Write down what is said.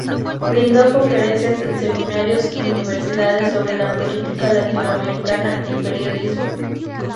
Brindó conferencias en seminarios y universidades sobre la política latinoamericana y periodismo.